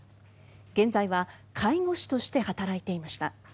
現在は介護士として働いていました。